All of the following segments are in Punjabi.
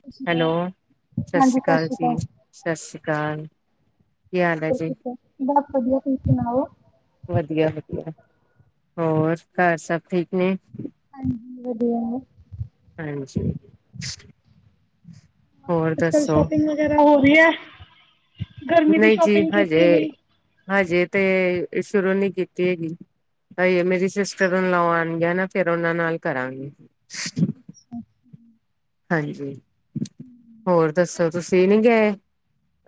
ਸਤਿ ਸ਼੍ਰੀ ਅਕਾਲ ਹੈਲੋ ਹਾਂਜੀ ਸ਼ਸ਼ੀ ਸਤਿ ਕਾਲ ਸ਼੍ਰੀ ਜੀ, ਅਕਾਲ ਸ਼ਸ਼ੀ ਕਾਲ, ਕੀ ਹਾਲ ਏ ਜੀ? ਬਹੁਤ ਵਧੀਆ, ਤੁਸੀਂ ਸੁਣਾਓ? ਵਧੀਆ-ਵਧੀਆ, ਹੋਰ ਘਰ ਸਭ ਠੀਕ ਨੇ? ਹਾਂਜੀ ਵਧੀਆ। ਹਾਂਜੀ। ਹੋਰ ਅੱਜ-ਕੱਲ੍ਹ ਦੱਸੋ? ਸ਼ੋਪਿੰਗ ਵਗੈਰਾ ਹੋ ਰਹੀ ਏ। ਗਰਮੀ ਦੀ ਨਹੀਂ ਜੀ ਸ਼ੋਪਿੰਗ ਕੀਤੀ ਹਜੇ ਨੀ। ਹਜੇ ਤੇ ਸ਼ੁਰੂ ਨੀ ਕੀਤੀ ਹੈਗੀ। ਹਜੇ ਮੇਰੀ ਸਿਸਟਰ ਅੱਛਾ ਅਨ ਲਾ ਆਉਗੇ ਨਾ। ਫਿਰ ਉਹਨਾਂ ਨਾਲ ਕਰਾਂਗੇ। ' [inaudible] ਹਾਂਜੀ, ਹੋਰ ਦੱਸੋ ਨਹੀਂ ਤੁਸੀਂ ਨਹੀਂ ਗਏ?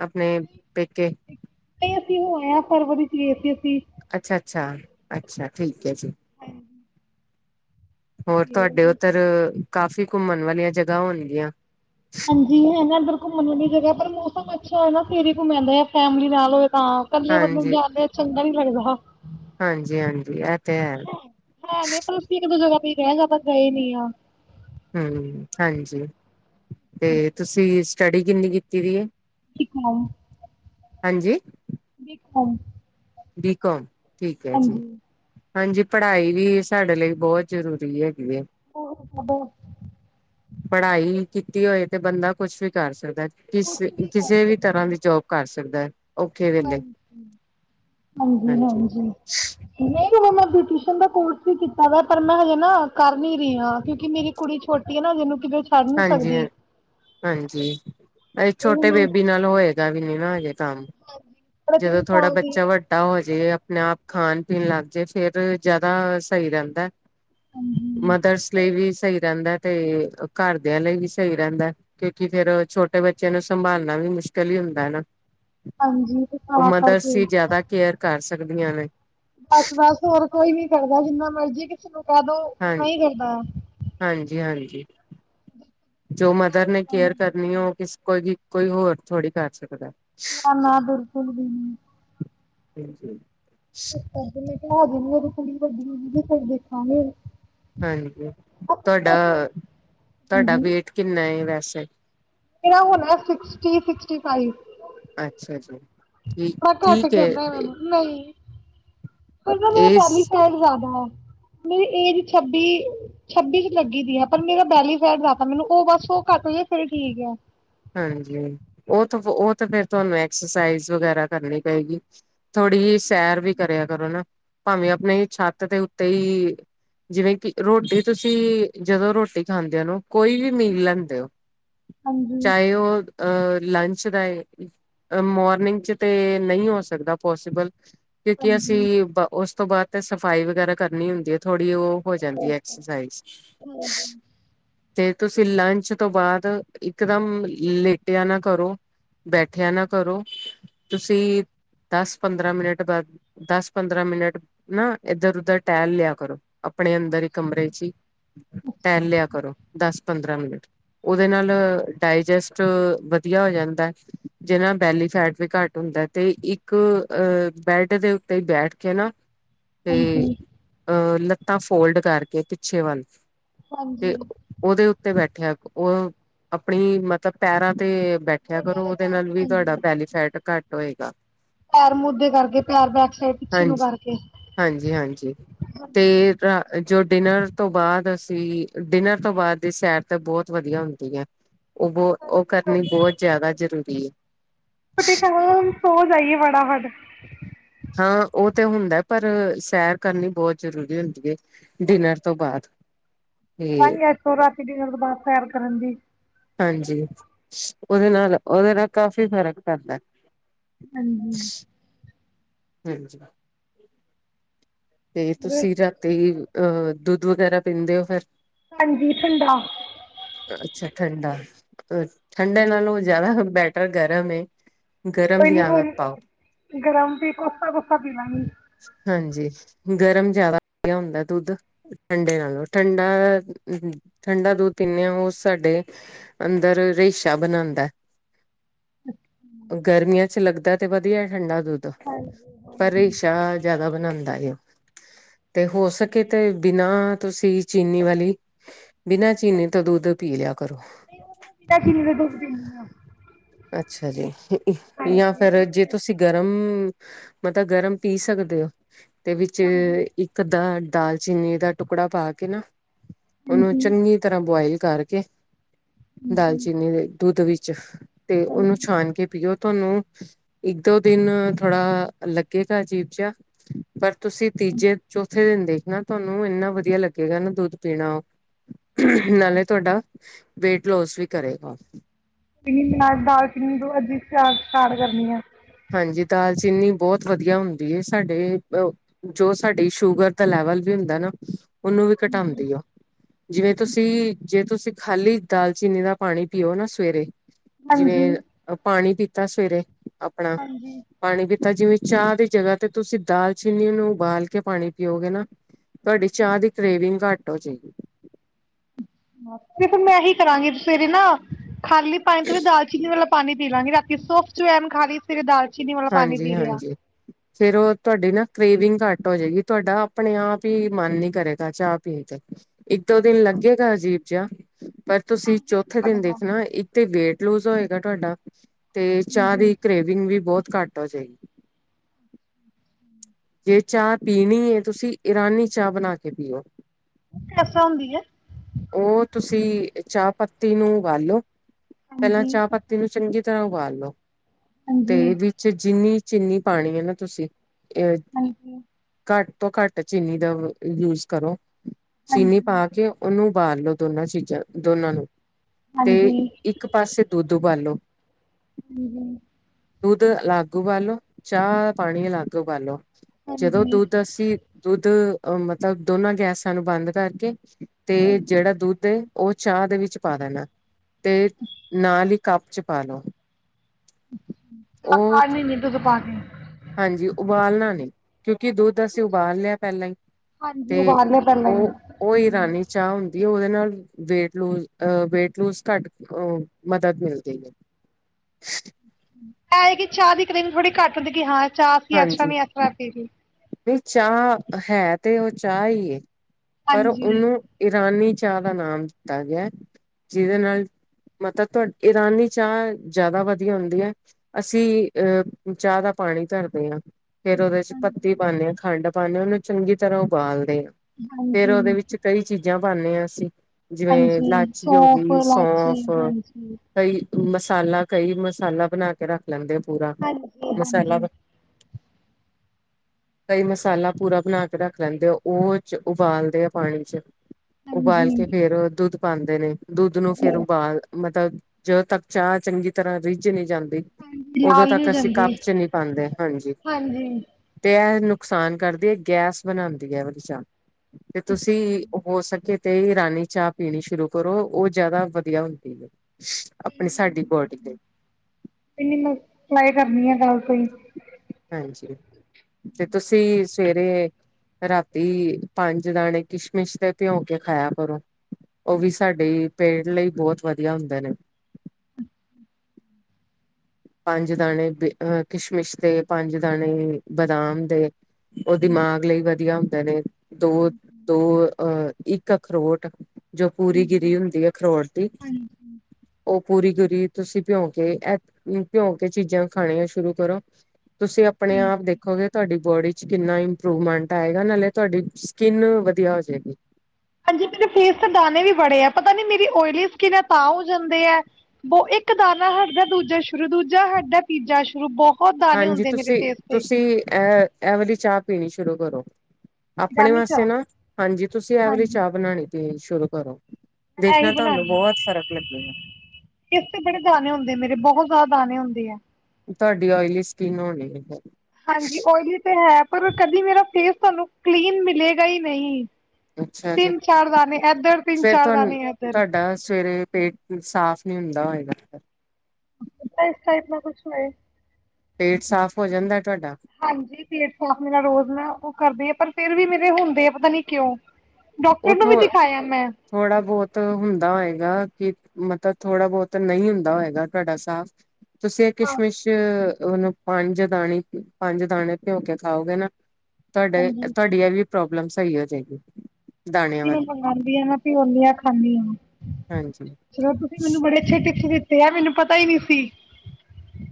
ਆਪਣੇ ਪੇਕੇ। ਨਹੀਂ ਅਸੀਂ ਹੋਆ ਫਰਵਰੀ 'ਚ' ਏ ਸੀ ਅਸੀਂ। ਅੱਛਾ-ਅੱਛਾ, ਅੱਛਾ। ਠੀਕ ਐ ਜੀ। ' [unintelligible] ਹੋਰ ਤੁਹਾਡੇ ਉੱਧਰ ਕਾਫ਼ੀ ਘੁੰਮਣ ਵਾਲੀਆਂ ਜਗ੍ਹਾ ਹੋਣਗੀਆਂ। ਹਾਂਜੀ, ਹੈ ਨਾ ਇੱਧਰ ਘੁੰਮਣ ਵਾਲੀ ਜਗ੍ਹਾ ਪਰ ਮੌਸਮ ਅੱਛਾ ਹੋਏ ਨਾ, ਸਵੇਰੇ ਘੁੰਮ ਜਾਂਦਾ। ਫੈਮਿਲੀ ਨਾਲ ਹੋਏ ਤਾਂ। ਇਕੱਲੇ ਬੰਦੇ ਨੂੰ ਹਾਂਜੀ, ਡਿਆ ਚੰਗਾ ਨੀ ਲੱਗਦਾ। ਹਾਂਜੀ-ਹਾਂਜੀ, ਇਹ ਤੇ ਐ। ਹੈ ਨੇ ਪਰ ਅਸੀਂ ਇੱਕ, ਦੋ ਜਗ੍ਹਾ' ' [unintelligible] ਹੂ, ਹਾਂਜੀ ਤੇ ਤੁਸੀਂ ਸਟੱਡੀ ਕਿੰਨੀ ਕੀਤੀ ਵੀ ਆ ' [unintelligible] ਹਾਂਜੀ ਬੀਕੌਮ ਬੀਕੌਮ, ਠੀਕ ਹੈ ਜੀ। ਹਾਂਜੀ ਹਾਂਜੀ, ਪੜ੍ਹਾਈ ਵੀ ਸਾਡੇ ਲਈ ਬਹੁਤ ਜ਼ਰੂਰੀ ਹੈਗੀ ਐ ' [unintelligible] ਪੜ੍ਹਾਈ ਕੀਤੀ ਹੋਏ ਤੇ ਬੰਦਾ ਕੁਛ ਵੀ ਕਰ ਸਕਦਾ, ਕਿਸ ਕੁਛ ਕਰ ਕਿਸੇ ਵੀ ਸਕਦੇ ਤਰ੍ਹਾਂ ਹਾਂ। ਦੀ ਜੋਬ ਕਰ ਸਕਦਾ ਔਖੇ ਵੇਲੇ ਹਾਂਜੀ ਹਾਂਜੀ-ਹਾਂਜੀ। ਨਹੀਂ ਮੈਂ ਬਿਟੀਸ਼ਨ ਦਾ ਕੋਰਸ ਵੀ ਕੀਤਾ ਵਾ ਪਰ ਮੈਂ ਹਲੇ ਨਾ ਕਰ ਨੀ ਰਹੀ ਆ ਕਿਉਂਕਿ ਮੇਰੀ ਕੁੜੀ ਛੋਟੀ ਐ ਨਾ ਹਜੇ ਮੈਂ ਕੀ ਦੇ 'ਚ' ਹਾਂਜੀ, ਹ ਹਾਂਜੀ ਤੇ ਛੋਟੇ ਹੁਣ ਬੇਬੀ ਹਾਂਜੀ ਨਾਲ਼ ਹੋਏ ਦਾ ਵੀ ਨੀ ਨਾ ਹੈਗੇ ਕੰਮ ਸਾਢੇ ਜਦੋਂ ਤਿੰਨ ਥੋੜ੍ਹਾ ਸਾਲ ਦੀ ਬੱਚਾ ਹੈ ਵੱ ਤਾਂ ਹੋਜੇ ਆਪਣੇ ਆਪ ਖਾਣ ਪੀਣ ਲੱਗ ਜੇ ਫਿਰ ਜ਼ਿਆਦਾ ਸਹੀ ਰਹਿੰਦਾ। ਹਾਂਜੀ ਮਦਰਸ ਲਈ ਵੀ ਸਹੀ ਰਹਿੰਦਾ ਤੇ ਘਰਦਿਆਂ ਲਈ ਵੀ ਸਹੀ ਰਹਿੰਦਾ। ਕਿਉਕਿ ਫਿਰ ਛੋਟੇ ਬੱਚਿਆਂ ਨੂੰ ਸੰਭਾਲਣਾ ਵੀ ਮੁਸ਼ਕਿਲ ਈ ਹੁੰਦਾ ਨਾ। ਹਾਂਜੀ ਤੇ ਉਹ ਤਾਂ ਕਰਕੇ ਮਦਰਸੀ ਜ਼ਿਆਦਾ ਕੇਅਰ ਕਰ ਸਕਦੀਆਂ ਨੇ। ਹੋਰ ਕੋਈ ਵੀ ਕਰਦਾ ਜਿੰਨਾ ਮਰਜ਼ੀ ਕਿਸੇ ਨੂੰ ਕਹਿ ਦੋ ਨਹੀਂ ਕਰਦਾ। ਹਾਂਜੀ-ਹਾਂਜੀ। ਜੋ ਮਦਰ ਨੇ ਕੇਅਰ ਕਰਨੀ, ਉਹ ਕਿਸ ਕੋ ਕੋਈ ਹੋਰ ਥੋੜ੍ਹੀ ਕਰ ਸਕਦਾ। ਨਾ-ਨਾ ਬਿਲਕੁਲ ਵੀ ਨੀ। [unintelligible] ਇਸ ਮੈਂ ਕਿਹਾ ਕੁੜੀ ਵੱਡੀ ਨਾ ਫਿਰ ਦੇਖਾਂਗੇ। ਹਾਂਜੀ, ਆਪਣੇ ਤੁਹਾਡਾ ਵੈਸੇ ਤੁਹਾਡਾ ਹਾਂਜੀ ਵੇਟ ਕਿੰਨਾ ਏ ਵੈਸੇ। ਮੇਰਾ ਹੋਣਾ ਸਗੀਸਟੀ ਸਗੀਸਟੀ ਫਾਈਵ ਅੱਛਾ ਜੀ। ਠੀ ਥੋੜਾ ਠੀਕ ਏ। [inaudible] ਉਹ ਨਾ ਮੇਰਾ ਇਸ ਬੈਲੀ ਫੈਟ ਜ਼ਿਆਦਾ ਆ ਮੇਰੀ ਏਜ ਛੱਬੀ ਛੱਬੀ ਚ ਲੱਗੀ ਦੀ ਏ। ਪਰ ਮੇਰਾ ਬੈਲੀ ਫੈਟ ਜ਼ਿਆਦਾ ਮੈਨੂੰ ਉਹ ਬਸ ਉਹ ਘੱਟ ਜੇ ਫਿਰ ਠੀਕ ਆ। ਹਾਂਜੀ, ਉਹ ਤਾਂ ਉਹ ਤਾਂ ਫਿਰ ਤੁਹਾਨੂੰ ਐਕਸਰਸਾਈਜ਼ ਵਗੈਰਾ ਕਰਨੀ ਪਏਗੀ। ਥੋੜ੍ਹੀ ਜੀ ਸੈਰ ਵੀ ਕਰਿਆ ਕਰੋ ਨਾ ਭਾਵੇਂ ਆਪਣੀ ਛੱਤ ਦੇ ਉੱਤੇ ਈ ਜਿਵੇਂ ਕਿ ਰੋਟੀ ਤੁਸੀ ਜਦੋਂ ਰੋਟੀ ਖਾਂਦੇ ਹੋ ਨਾ ਕੋਈ ਵੀ ਮੀਲ ਲੈਦੇ ਓ। ਹਾਂਜੀ ਚਾਏ ਉਹ ਅ ਲੰਚ ਦਾ ਟਾਈ- ਮੋਰਨਿੰਗ ਚ ਤੇ ਨਹੀਂ ਹੋ ਸਕਦਾ ਪੋਸੀਬਲ। ਕਿਉਕਿ ਅਸੀ ਹਾਂਜੀ ਉਸ ਤੋਂ ਬਾਅਦ ਤੇ ਸਫ਼ਾਈ ਵਗੈਰਾ ਕਰਨੀ ਹੁੰਦੀ ਏ ਥੋੜ੍ਹੀ ਉਹ ਹੋ ਜਾਂਦੀ ਏ। ਐਕਸਰਸਾਈਜ਼ ਤੇ ਤੁਸੀ ਲੰਚ ਤੋਂ ਬਾਅਦ ਇਕਦਮ ਲੇਟਿਆਂ ਨਾ ਕਰੋ, ਬੈਠਿਆਂ ਨਾ ਕਰੋ। ਤੁਸੀ ਦਸ ਪੰਦਰਾਂ ਮਿੰਟ ਬਾਦ ਦਸ ਪੰਦਰਾਂ ਮਿੰਟ ਨਾ ਇੱਧਰ ਉੱਧਰ ਟੈਲ ਲਿਆ ਕਰੋ। ਆਪਣੇ ਅੰਦਰ ਈ ਕਮਰੇ ਚ ਈ ਅੱਛਾ ਟੈਲ ਲਿਆ ਅੱਛਾ ਕਰੋ ਦਸ-ਪੰਦਰਾਂ ਮਿੰਟ। ਉਹਦੇ ਨਾਲ ਡਾਇਜੈਸਟ ਵਧੀਆਂ ਹੋ ਜਾਂਦਾ। ਜਿਹਨਾਂ ਬੈਲੀ ਫੈਟ ਵੀ ਘੱਟ ਹੁੰਦਾ ਤੇ ਇੱਕ ਅ ਆ ਬੈੱਡ ਦੇ ਉੱਤੇ ਬੈਠ ਕੇ ਨਾ [inaudible] ਤੇ ਹਾਂਜੀ ਅਹ ਲੱਤਾਂ ਫੋਲਡ ਕਰਕੇ ਪਿੱਛੇ ਵੱਲ ਤੇ ਹਾਂਜੀ ਉਹਦੇ ਉੱਤੇ ਬੈਠਿਆਂ ਉਹ ਆਪਣੀ ਮਤਲਬ ਪੈਰਾਂ ਤੇ ਬੈਠਿਆਂ ਗੋਡਿਆਂ ਕਰੋ। ਦੇ ਉਹਦੇ ਭਾਰ ਨਾਲ ਵੀ ਤੁਹਾਡਾ ਹਾਂਜੀ ਬੈਲੀ ਫੈਟ ਘੱਟ ਹੋਏਗਾ। ਪੈਰ ਮੁੱਦੇ ਕਰਕੇ ਬੈਕ ਸਾਈਡ ਪਿੱਛੇ ਨੂੰ ਕਰਕੇ ਹਾਂਜੀ-ਹਾਂਜੀ। 'ਤੇ ਜੋ ਡਿਨਰ ਤੋਂ ਬਾਅਦ ਅਸੀ ਡਿਨਰ ਤੋਂ ਬਾਅਦ ਦੀ ਸੈਰ 'ਤੇ ਬਹੁਤ ਵਧੀਆ ਹੁੰਦੀ ਏ। ਉਹ ਬਹੁ ਉਹ ਕਰਨੀ ਬਹੁਤ ਜ਼ਿਆਦਾ ਜ਼ਰੂਰੀ ਏ। ਪਟੇ ਕਹਾਂ ਸੋ ਜਾਈਏ ਬੜਾ ਫਟ ਹਾਂ, ਉਹ ਤਾਂ ਹੁੰਦਾ ਪਰ ਸੈਰ ਕਰਨੀ ਬਹੁਤ ਜ਼ਰੂਰੀ ਹੁੰਦੀ ਏ। ਡਿਨਰ ਤੋਂ ਬਾਅਦ। ਤੇ ਲੰਘ ਗਿਆ ਇਥੋਂ ਰਾਤੀ ਡਿਨਰ ਤੋਂ ਬਾਅਦ ਸੈਰ ਕਰਨ ਦੀ ਹਾਂਜੀ, ਉਹਦੇ-ਉਹਦੇ ਨਾਲ ਕਾਫ਼ੀ ਪੈਦਾ। ਹਾਂਜੀ। ਹਾਂਜੀ। 'ਤੇ ਤੁਸੀ ਰਾਤੀ ਅਹ ਦੁੱਧ ਵਗੈਰਾ ਪੀਂਦੇ ਹੋ ਫਿਰ। ਹਾਂਜੀ, ਠੰਡਾ। ਅੱਛਾ, ਠੰਡਾ। ਅ ਠੰਡੇ ਨਾਲੋਂ ਜ਼ਿਆਦਾ ਬੈਟਰ ਗਰਮ ਏ। ਗਰਮ ਕੋਈ ਦੀ ਨੀ ਆਦਤ ਪਾਓ ਕੋਈ ਗਰਮ ਤੇ ਕੋਸਾ- ਕੋਸਾ ਪੀ ਲਾਂਗੀ। ਹਾਂਜੀ, ਗਰਮ ਜਿਆਦਾ ਵਧੀਆ ਹੁੰਦਾ ਦੁੱਧ ਠੰਡੇ ਨਾਲੋਂ, ਠੰਡਾ-ਠੰਡਾ ਦੁੱਧ ਪੀਂਦੇ ਹਾਂ ਉਹ ਸਾਡੇ ਅੰਦਰ ਰੇਸ਼ਾ ਬਣਾਉਂਦਾ। ਗਰਮੀਆਂ 'ਚ' ਲੱਗਦਾ ਤੇ ਵਧੀਆ ਠੰਡਾ ਦੁੱਧ ਹਾਂਜੀ [inaudible] ਪਰ ਹਾਂਜੀ ਰੇਸ਼ਾ ਜਿਆਦਾ ਬਣਾਉਂਦਾ ਇਹ 'ਤੇ ਹੋ ਸਕੇ 'ਤੇ ਬਿਨਾਂ ਤੁਸੀਂ ਚੀਨੀ ਵਾਲੀ, ਬਿਨਾਂ ਚੀਨੀ ਤੋਂ ਦੁੱਧ ਪੀ ਲਿਆ ਕਰੋ। [unintelligible] [inaudible] ਅੱਛਾ ਜੀ, ਜਾਂ ਹਾਂਜੀ ਉਹ ਫਿਰ ਤੇ ਜੇ ਹਾਂਜੀ ਤੁਸੀਂ ਗਰਮ, ਮਤਲਬ ਗਰਮ ਪੀ ਸਕਦੇ ਹੋ 'ਤੇ ਵਿੱਚ ਹਾਂਜੀ ਇੱਕ ਅੱਦਾ ਦਾਲਚੀਨੀ ਦਾ ਟੁਕੜਾ ਪਾ ਕੇ ਨਾ, ਉਹਨੂੰ ਹਾਂਜੀ ਚੰਗੀ ਤਰ੍ਹਾਂ ਬੁਆਇਲ ਕਰਕੇ, ਦਾਲਚੀਨੀ ਦੇ ਦੁੱਧ ਵਿੱਚ 'ਤੇ ਉਹਨੂੰ ਹਾਂਜੀ ਛਾਣ ਕੇ ਪੀਓ ਤੁਹਾਨੂੰ ਇੱਕ- ਦੋ ਦਿਨ ਥੋੜਾ ਲੱਗੇਗਾ, ਅਜੀਬ ਜਿਹਾ ਪਰ ਤੁਸੀਂ ਤੀਜੇ-ਚੌਥੇ ਦਿਨ ਦੇਖ ਨਾ ਤੁਹਾਨੂੰ ਇੰਨਾ ਵਧੀਆ ਲੱਗੇਗਾ ਨਾ ਦੁੱਧ ਪੀਣਾ ਉਹ ਨਾਲ਼ੇ ਤੁਹਾਡਾ ਵੇਟ ਲੋਸ ਵੀ ਕਰੇਗਾ। ਕਿੰਨੀ ਦਿਨਾਂ ਦਾਲਚੀਨੀ [unintelligible] ਅਸੀਂ‌ ਸਟਾਰਟ ਕਰਨੀ ਆ। ਹਾਂਜੀ, ਦਾਲਚੀਨੀ ਬਹੁਤ ਵਧੀਆ ਹੁੰਦੀ ਏ ਸਾਡੇ ਜੋ ਸਾਡੀ ਸ਼ੂਗਰ ਦਾ ਲੈਵਲ ਵੀ ਹੁੰਦਾ ਨਾ ਉਹਨੂੰ ਵੀ ਘਟਾਉਂਦੀ ਆ। ਜਿਵੇਂ ਤੁਸੀਂ ਜੇ ਤੁਸੀਂ ਖਾਲੀ ਦਾਲਚੀਨੀ ਦਾ ਪਾਣੀ ਪੀਓ ਨਾ ਸਵੇਰੇ ਹਾਂਜੀ ਜਿਵੇਂ ਪਾਣੀ ਪੀਤਾ ਸਵੇਰੇ ਆਪਣਾ ਹਾਂਜੀ ਪਾਣੀ ਪੀਤਾ ਜਿਵੇਂ ਚਾਹ ਦੀ ਜਗ੍ਹਾ ਤੇ ਤੁਸੀਂ ਦਾਲਚੀਨੀ ਨੂੰ ਉਬਾਲ ਕੇ ਪਾਣੀ ਪੀਓਗੇ ਨਾ ਤੁਹਾਡੀ ਚਾਹ ਦੀ ਕਰੇਵਿੰਗ ਘੱਟ ਹੋ ਜਾਏਗੀ। 'ਤੇ ਫਿਰ ਮੈਂ ਹੀ ਕਰਾਂਗੀ ਸਵੇਰੇ ਨਾ ਖਾਲੀ ਪਾਣੀ ਤੇ ਦਾਲਚੀਨੀ ਮਤਲਬ ਪਾਣੀ ਪੀ ਲਾਂਗੇ ਰਾਤੀ ਸੋਫ ਜਵਇਨ ਖਾਲੀ ਸਵੇਰੇ ਦਾਲਚੀਨੀ ਵਾਲਾ ਪਾਣੀ ਪੀ ਲਿਆ। ਹਾਂਜੀ-ਹਾਂਜੀ ਫੇਰ ਉਹ ਤੁਹਾਡੀ ਨਾ ਕਰੇਵਿੰਗ ਘੱਟ ਹੋ ਜਾਏਗੀ, ਤੁਹਾਡਾ ਆਪਣੇ ਆਪ ਹੀ ਮਨ ਨਹੀਂ ਕਰੇਗਾ ਚਾਹ ਪੀਣ ਕੇ ਇੱਕ ਦੋ ਦਿਨ ਲੱਗੇਗਾ ਅਜੀਬ ਜਿਹਾ, ਪਰ ਤੁਸੀਂ ਹਾਂਜੀ ਉਹ ਤੇ ਚੌਥੇ ਦਿਨ ਬਣਦਾ ਦੇਖਣਾ ਇੱਕ 'ਤੇ ਵੇਟ ਲੂਜ ਹੋਏਗਾ ਤੁਹਾਡਾ ਤੇ ਚਾਹ ਹਾਂਜੀ ਦੀ ਕਰੇਵਿੰਗ ਵੀ ਬਹੁਤ ਘੱਟ ਹੋ ਜਾਏਗੀ। ਜੇ ਚਾਹ ਪੀਣੀ ਹੈ ਤੁਸੀਂ ਇਰਾਨੀ ਚਾਹ ਬਣਾ ਕੇ ਪੀਓ। ਕਿਸ ਤਰ੍ਹਾਂ ਹੁੰਦੀ ਹੈ? ਉਹ ਤੁਸੀਂ ਚਾਹ ਪੱਤੀ ਨੂੰ ਉਬਾਲੋ, ਪਹਿਲਾਂ ਹਾਂਜੀ ਚਾਹ ਪੱਤੀ ਤੈਨੂੰ ਚੰਗੀ ਤਰ੍ਹਾਂ ਉਬਾਲ ਲੋ [inaudible] ਤੇ ਹਾਂਜੀ ਵਿ ਚਾਹੇ ਜਿੰਨੀ ਚੀਨੀ ਪਾਉਣੀ ਹੈ ਨਾ ਤੁਸੀਂ ਅ ਹਾਂਜੀ। ਘੱਟ ਤੋਂ ਘੱਟ ਚੀਨੀ ਦਾ ਯੂਜ ਕਰੋ, ਚੀਨੀ ਹਾਂਜੀ, ਪਾ ਕੇ ਉਹਨੂੰ ਉਬਾਲ ਲਓ। ਦੋਨਾਂ ਚੀਜ਼ਾਂ ਦੋਨਾਂ ਨੂੰ, ਤੇ ਹਾਂਜੀ, ਇੱਕ ਪਾਸੇ ਦੁਧ ਉਬਾਲੋ ਹਮ। ਦੁੱਧ ਅਲੱਗ ਉਬਾਲ ਲੋ, ਚਾਹ -ਪਾਣੀ ਅਲੱਗ ਉਬਾਲੋ ਜਦੋਂ ਦੁੱਧ ਅਸੀਂ, ਦੁੱਧ ਅਹ ਮਤਲਬ ਦੋਨਾਂ ਗੈਸਾਂ ਨੂੰ ਬੰਦ ਕਰਕੇ ਤੇ ਹਾਂਜੀ ਜਿਹੜਾ ਦੁੱਧ ਉਹ ਚਾਹ ਦੇ ਵਿੱਚ ਪਾ ਦੇਣਾ, ਤੇ, ਨਾਲ ਹੀ ਕੱਪ ਚ ਪਾ ਲੋ [unintelligible] ਹਾਂਜੀ ਉਬਾਲਣਾ ਨੀ। ਕਿਉਂਕਿ ਦੁੱਧ ਅਸੀਂ ਉਬਾਲ ਲਿਆ ਪਹਿਲਾਂ ਹੀ, ਹਾਂਜੀ ਤੇ ਉਬਾਲ ਲਿਆ ਪਹਿਲਾਂ ਹੀ। ਉਹ ਉਹ ਈਰਾਨੀ ਚਾਹ ਹੁੰਦੀ ਹੈ। ਉਹਦੇ ਨਾਲ ਵੇਟ ਲੂਜ ਵੇਟ ਲੂਜ ਘੱਟ ਉਹ ਮਦਦ ਮਿਲਦੀ ਹੈ। [unintelligible] ਚਾਹ ਦੀ ਕ੍ਰੀਮ ਥੋੜੀ ਘੱਟ ਥੋੜੀ ਘੱਟ ਹੁੰਦੀ ਹ ਕਿ ਚਾਹ ਹਾਂਜੀ ਕੇ [unintelligible] ਪੀ ਲੀ ਨਹੀਂ ਚਾਹ ਹੈ ਤੇ ਉਹ ਚਾਹ ਹੀ, ਪਰ ਹਾਂਜੀ, ਉਹਨੂੰ ਇਰਾਨੀ ਚਾਹ ਦਾ ਨਾਮ ਦਿੱਤਾ ਗਿਆ, ਜਿਹਦੇ ਨਾਲ ਮਤਲਬ ਤੁ ਇਰਾਨੀ ਚਾਹ ਜਿਆਦਾ ਵਧੀਆ ਹੁੰਦੀ ਹੈ ਅਸੀਂ ਅਹ, ਚਾਹ ਦਾ ਪਾਣੀ ਧਰਦੇ ਹਾਂ ਫੇਰ ਉਹਦੇ ਚ ਪੱਤੀ ਪਾਉਂਦੇ ਹਾਂ ਖੰਡ ਪਾਉਂਦੇ ਹ ਉਹਨੂੰ ਚੰਗੀ ਤਰ੍ਹਾਂ ਉਬਾਲਦੇ ਹਾਂ, ਫੇਰ ਉਹਦੇ ਹਾਂਜੀ, ਵਿੱਚ ਕਈ ਚੀਜ਼ਾਂ ਪਾਉਂਦੇ ਹਾਂ ਅਸੀਂ, ਜਿਵੇਂ ਹਾਂਜੀ ਇਲਾਚੀ ਹੋ ਸੌਂਫ, ਗਈ ਇਲਾਚੀ ਸੌਂਫ ਹਾਂਜੀ। ਕਈ ਮਸਾਲਾ ਕਈ ਮਸਾਲਾ ਬਣਾ ਕੇ ਰੱਖ ਲੈਂਦੇ ਆ ਪੂਰਾ, ਹਾਂਜੀ, ਮਸਾਲਾ ਹਾਂਜੀ, ਕਈ ਮਸਾਲਾ ਪੂਰਾ ਬਣਾ ਕੇ ਰੱਖ ਲੈਂਦੇ ਆ, ਉਹ ਚ ਉਬਾਲਦੇ ਆ ਪਾਣੀ ਚ ਉਬਾਲ ਹਾਂਜੀ, ਕੇ ਫੇਰ ਦੁੱਧ ਪਾਉਂਦੇ ਨੇ, ਦੁੱਧ ਨੂੰ ਜੀ ਫੇਰ ਉਬਾਲ ਮਤਲਬ, ਜਦੋਂ ਤੱਕ ਚਾਹ ਚੰਗੀ ਤਰ੍ਹਾਂ ਰਿੱਝ ਨਹੀਂ ਜਾਂਦੀ ਹਾਂਜੀ ਉਦੋਂ ਲਾਲ ਨੀ ਤੱਕ ਹੋ ਅਸੀਂ ਜਾਂਦੀ। ਕੱਪ ਚ ਨਹੀਂ ਪਾਉਂਦੇ, ਹਾਂਜੀ। ਹਾਂਜੀ। ਤੇ ਇਹ ਨੁਕਸਾਨ ਕਰਦੀ ਹੈ, ਗੈਸ ਬਣਾਉਂਦੀ ਹੈ ਵੀ ਚਾਹ ਤੇ ਤੁਸੀਂ ਹੋ ਸਕੇ ਤੇ ਇਰਾਨੀ ਚਾਹ ਪੀਣੀ ਸ਼ੁਰੂ ਕਰੋ ਉਹ ਜ਼ਿਆਦਾ ਵਧੀਆ ਹੁੰਦੀ ਹੈ। ਆਪਣੀ ਸਾਡੀ ਬੋਡੀ ਲਈ ਇ [unintelligible] ਮੈਂ, ਸਪਲਾਈ ਕਰਨੀ ਆ ਗੱਲ ਕੋਈ ਹਾਂਜੀ, ਤੇ ਤੁਸੀਂ ਸਵੇਰੇ ਰਾਤੀ ਪੰਜ ਦਾਣੇ ਕਿਸ਼ਮਿਸ਼ ਦੇ ਭਿਉਂ ਕੇ ਖਾਇਆ ਕਰੋ। ਉਹ ਵੀ ਸਾਡੇ ਪੇਟ ਲਈ ਬਹੁਤ ਵਧੀਆ ਹੁੰਦੇ ਨੇ ਪੰਜ ਦਾਣੇ ਬ ਅਹ ਕਿਸ਼ਮਿਸ਼ ਦੇ, ਪੰਜ ਦਾਣੇ ਬਦਾਮ ਉਹ ਦਿਮਾਗ ਲਈ ਵਧੀਆ ਹੁੰਦੇ ਨੇ ਦੋ -ਦੋ ਅ ਇੱਕ ਇੱਕ ਅਖਰੋਟ, ਜੋ ਪੂਰੀ ਹਾਂਜੀ, ਗਿਰੀ ਹੁੰਦੀ ਹੈ ਅਖਰੋਟ ਦੀ ਹਾਂਜੀ, ਉਹ ਪੂਰੀ ਗਿਰੀ ਤੁਸੀਂ ਭਿਉਂਕੇ- ਭਿਉਂ ਕੇ ਚੀਜ਼ਾਂ ਖਾਣੀਆਂ ਸ਼ੁਰੂ ਕਰੋ। ਤੁਸੀਂ ਆਪਣੇ ਹਾਂਜੀ। ਆਪ ਦੇਖੋਗੇ ਤੁਹਾਡੀ ਬੋਡੀ ਚ ਕਿੰਨਾ ਇੰਪਰੂਵਮੈਂਟ ਆਏਗਾ ਨਾਲੇ ਤੁਹਾਡੀ ਸਕਿੰਨ ਵਧੀਆ ਹੋ ਜਾਵੇਗੀ ਹਾਂਜੀ, ਮੇਰੇ ਫੇਸ ਤੇ ਦਾਣੇ ਵੀ ਬੜੇ ਆ ਪਤਾ ਨੀ ਮੇਰੀ ਓਇਲੀ ਸਕਿੱਨ ਹੈ ਤਾਂ ਹੋ ਜਾਂਦੇ ਹੈ। ਬੋ ਇੱਕ ਦਾਨ ਹਟਦਾ, ਦੂਜਾ ਸ਼ੁਰੂ ਦੂਜਾ ਹਟਦਾ, ਤੀਜਾ ਸ਼ੁਰੂ ਬਹੁ ਹਾਂਜੀ, ਤੁਸੀਂ -ਤੁਸੀਂ ਅਹ ਐਵਲੀ ਚਾਹ ਪੀਣੀ ਸ਼ੁਰੂ ਕਰੋ, ਆਪਣੇ ਦਾਨੀ ਵਾਸਤੇ ਚਾਹ ਨਾ, ਹਾਂਜੀ, ਤੁਸੀਂ ਐਵਲੀ ਹਾਂਜੀ ਚਾਹ ਬਣਾਉਣੀ ਤੇ ਸ਼ੁਰੂ ਕਰੋ, ਮੈਂ ਇਹੀ ਦੇਖਣਾ ਤੁਹਾਨੂੰ ਬਹੁਤ ਫ਼ਰਕ ਲੱਗ ਫੇਸ ਤੇ ਬੜੇ ਦਾਣੇ ਹੁੰਦੇ ਮੇਰੇ ਬਹੁਤ ਜ਼ਿਆਦਾ ਦਾਣੇ ਹੁੰਦੇ ਆ ਤੁਹਾਡੀ ਓਇਲੀ ਸਕਿਨ ਹੋਣੀ ਹੈ। ਹਾਂਜੀ ਓਇਲੀ ਤੇ ਹੈ ਪਰ ਕਦੀ ਮੇਰਾ ਫੇਸ ਤੁਹਾਨੂੰ ਕਲੀਨ ਮਿਲੇਗਾ ਹੀ ਨਹੀਂ। ਅੱਛਾ ਜੀ ਤਿੰਨ-ਚਾਰ ਦਾਣੇ ਇੱਧਰ ਤਿੰਨ-ਚਾਰ ਦਾਣੇ ਇੱਧਰ ਤਾਂ ਸਵੇਰੇ। ਪੇਟ ਸਾਫ਼ ਨਹੀ ਹੁੰਦਾ ਹੋਏਗਾ। [unintelligible] ਟਾਈਪ ਕੁਛ ਹੋਏ। ਪੇਟ ਸਾਫ਼ ਹੋ ਜਾਂਦਾ ਤੁਹਾਡਾ। ਹਾਂਜੀ, ਪੇਟ ਸਾਫ਼ ਮੇਰਾ ਰੋਜ਼ ਨਾ ਉਹ ਕਰਦੇ ਆ ਪਰ ਫੇਰ ਵੀ ਮੇਰੇ ਹੁੰਦੇ ਆ ਪਤਾ ਨੀ ਕਿਉਂ। ਡਾਕਟਰ ਨੂੰ ਵੀ ਉਥੋਂ ਦਿਖਾਇਆ ਮੈਂ। ਥੋੜਾ ਬਹੁਤ ਹੁੰਦਾ ਹੋਏਗਾ ਕਿ ਮਤਲਬ ਥੋੜਾ ਬਹੁਤ ਨਹੀਂ ਹੁੰਦਾ ਹੋਏਗਾ ਤੁਹਾਡਾ ਸਾਫ਼, ਤੁਸੀਂ ਇਹ ਹਾਂ ਕਿਸ਼ਮਿਸ਼ ਉਹਨੂੰ ਪੰਜ ਦਾਣੇ, ਪੰਜ ਦਾਣੇ ਭਿਓਂ ਕੇ ਖਾਓਗੇ ਨਾ ਤੁਹਾਡਾ ਹਾਂਜੀ ਤੁਹਾਡੀ ਐ ਜਿਹੜੀ ਪ੍ਰੋਬਲਮ ਸਹੀ ਹੋ ਜਾਏਗੀ। ਕੋਈ ਦਾਣਿਆਂ ਨੀ ਮੈਂ ਵਾਲੀ ਮੰਗਵਾਉਂਦੀ ਹਾਂ, ਨਾ ਭਿਉਂਦੀ ਆ, ਖਾਂਦੀ ਆ। ਹਾਂਜੀ ਚਲੋ ਤੁਸੀਂ ਮੈਨੂੰ ਬੜੇ ਅੱਛੇ ਟਿੱਪਸ ਦਿੱਤੇ ਆ ਮੈਨੂੰ ਪਤਾ ਹੀ ਨਹੀਂ ਸੀ।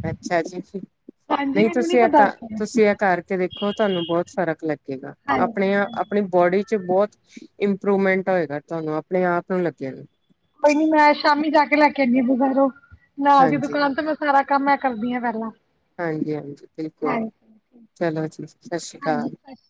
ਅੱਛਾ ਜੀ। ਹਾਂਜੀ ਨਹੀਂ, ਮੈਨੂੰ ਨੀ ਤੁਸੀਂ ਇਹ ਪਤਾ ਕਰ ਸੀ। ਤੁਸੀਂ ਇਹ ਕਰਕੇ ਦੇਖੋ ਤੁਹਾਨੂੰ ਬਹੁਤ ਫ਼ਰਕ ਲੱਗੇਗਾ। ਹਾਂਜੀ ਆਪਣੇ ਹਾਂਜੀ ਆਪਣੀ ਬੋਡੀ ਚ ਬਹੁਤ ਇੰਪਰੂਵਮੈਂਟ ਹੋਏਗਾ ਤੁਹਾਨੂੰ ਆਪਣੇ ਆਪ ਨੂੰ ਲੱਗੇਗਾ। ਕੋਈ ਨੀ ਮੈਂ ਸ਼ਾਮੀ ਜਾ ਕੇ ਲੈ ਕੇ ਆਉਣੀ ਆ ਬਾਜ਼ਾਰੋਂ। ਨਾਲ਼ ਦੀ ਹਾਂਜੀ ਦੁਕਾਨ ਮੈਂ ਸਾਰਾ ਕੰਮ ਮੈਂ ਕਰਦੀ ਆ ਪਹਿਲਾਂ। ਹਾਂਜੀ ਹਾਂਜੀ ਬਿਲਕੁਲ ਚਲੋ ਜੀ, ਸਸਰੀ ਕਾਲ। ਹਾਂਜੀ ਸਤਿ ਸ਼੍ਰੀ